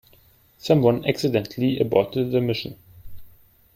Someone accidentally aborted the mission.